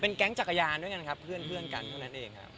แก๊งจักรยานด้วยกันครับเพื่อนกันเท่านั้นเองครับ